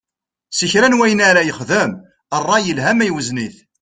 Si kra n wayen ara yexdem, ṛṛay, yelha ma iwzen-it.